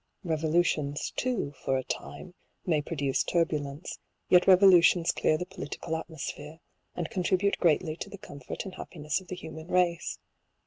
Revolutions, too, for a time, may produce turbulence j yet revolutions clear the political atmosphere, and con tribute greatly to the comfort and happiness of the human race.